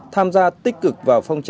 tham gia tích cực vào phong trào